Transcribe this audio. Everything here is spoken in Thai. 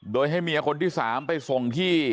โดยให้เมียคนที่๓ไปส่งที่